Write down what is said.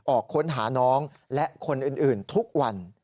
ออกค้นหาน้องและคนอื่นทุกวัน